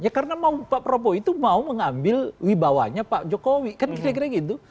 ya karena pak prabowo itu mau mengambil wibawanya pak jokowi kan kira kira gitu